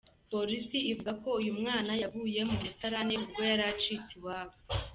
Polisi ivuga ko uyu mwana yaguye mu musarane ubwo yari acitse iwabo.